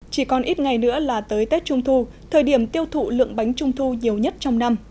chỉ còn ít ngày nữa là tới tết trung thu thời điểm tiêu thụ lượng bánh trung thu nhiều nhất trong năm